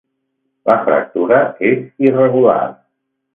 La fractura és irregular.